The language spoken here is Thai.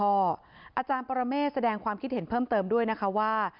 อาจารย์ปรเมฆแสดงความคิดเห็นเพิ่มเติมด้วยนะคะว่า